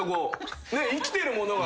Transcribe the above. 生きてるものが。